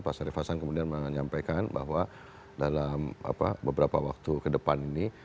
pak sarif hasan kemudian menyampaikan bahwa dalam beberapa waktu ke depan ini